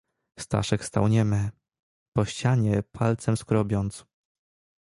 "Staszek stał niemy, po ścianie palcem skrobiąc."